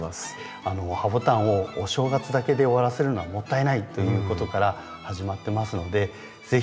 ハボタンをお正月だけで終わらせるのはもったいないということから始まってますので是非